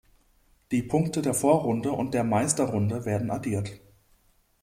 Die Punkte der Vorrunde und der Meisterrunde werden addiert.